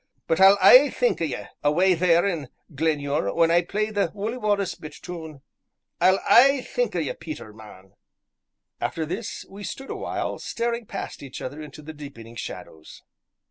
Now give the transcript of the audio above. But I'll aye think o' ye away there in Glenure, when I play the 'Wullie Wallace' bit tune I'll aye think o' ye, Peter, man." After this we stood awhile, staring past each other into the deepening shadows.